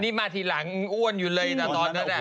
นี่มาทีหลังอ้วนอยู่เลยนะตอนนั้น